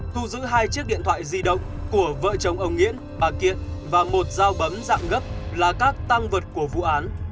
thu giữ hai chiếc điện thoại di động của vợ chồng ông nguyễn bà kiện và một dao bấm dạng gấp là các tăng vật của vụ án